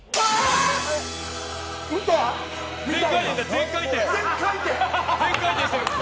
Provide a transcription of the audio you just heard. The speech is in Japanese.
全回転だ！